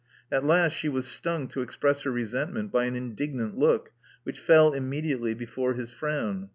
At last she was stung to express her resentment by an indignant look, which fell immediately before his frown.